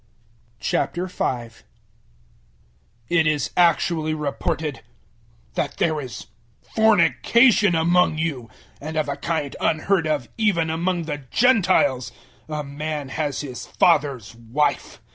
005:001 It is actually reported that there is fornication among you, and of a kind unheard of even among the Gentiles a man has his father's wife!